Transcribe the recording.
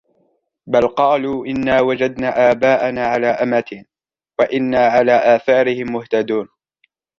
بل قالوا إنا وجدنا آباءنا على أمة وإنا على آثارهم مهتدون